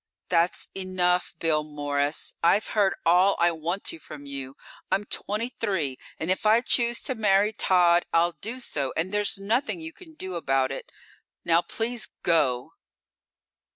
"That's enough, Bill Morris! I've heard all I want to from you. I'm twenty three, and if I choose to marry Tod, I'll do so and there's nothing you can do about it. Now, please go."